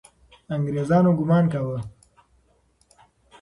انګریزان ګمان کاوه.